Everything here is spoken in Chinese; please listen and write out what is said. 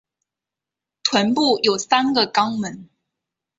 臀部有三个肛门。